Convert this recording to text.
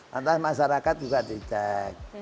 lantas masyarakat juga dicek